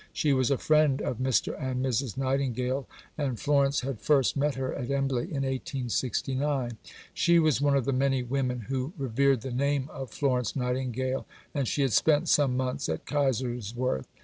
She was a friend of Mr. and Mrs. Nightingale, and Florence had first met her at Embley in 1869. She was one of the many women who revered the name of Florence Nightingale, and she had spent some months at Kaiserswerth.